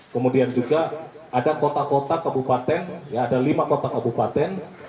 kemudian juga ada kota kota kabupaten ada lima kota kabupaten